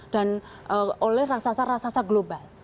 dan oleh raksasa raksasa global